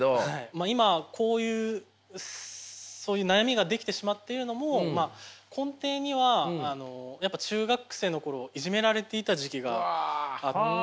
今こういう悩みが出来てしまっているのも根底にはやっぱ中学生の頃いじめられていた時期があって。